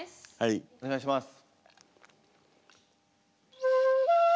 お願いします。